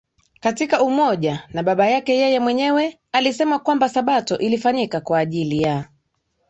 katika Umoja na Baba yake Yeye Mwenyewe alisema kwamba Sabato ilifanyika kwa ajili ya